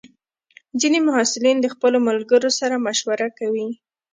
ځینې محصلین د خپلو ملګرو سره مشوره کوي.